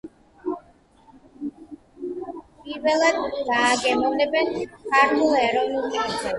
პირველად დააგემოვნებენ ქართულ ეროვნულ კერძებს.